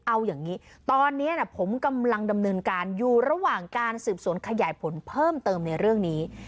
เอาอย่างนี้ตอนนี้ผมกำลังดำเนินการอยู่ระหว่างการสืบสวนขยายผลเพิ่มเติมในเรื่องนี้